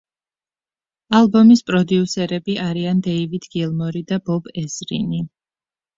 ალბომის პროდიუსერები არიან დეივიდ გილმორი და ბობ ეზრინი.